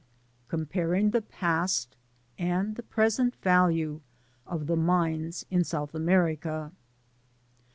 Comparing the past and the 'present Value of the Mines in South America.